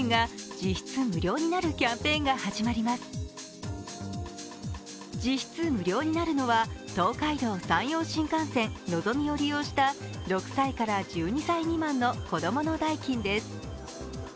実質無料になるのは東海道・山陽新幹線のぞみを利用した６歳から１２歳未満の子供の代金です。